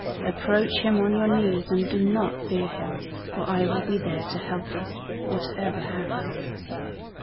Approach him on your knees and do not fear him, for I will be there to help you, whatever happens."